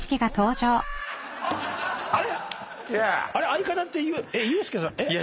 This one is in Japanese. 相方ってユースケさんえっ？